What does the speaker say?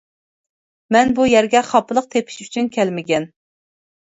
مەن بۇ يەرگە خاپىلىق تېپىش ئۈچۈن كەلمىگەن.